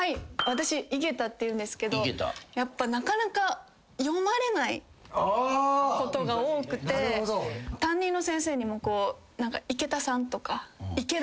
私井桁っていうんですけどやっぱなかなか読まれないことが多くて担任の先生にも。